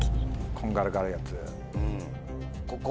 こんがらがるやつ。